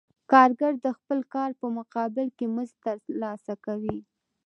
کارګر د خپل کار په مقابل کې مزد ترلاسه کوي